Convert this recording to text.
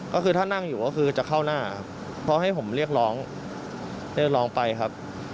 ก็คือถ้านั่งอยู่ก็คือจะเข้าหน้าครับเพราะให้ผมเรียกร้องเรียกร้องไปครับ